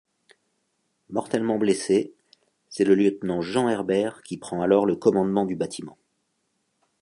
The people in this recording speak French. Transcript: Mortellement blessé, c'est le lieutenant Jean Herbert qui prend alors le commandement du bâtiment.